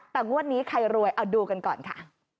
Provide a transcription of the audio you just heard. แต่งวดนี้ใครรวยเอาดูกันก่อนค่ะ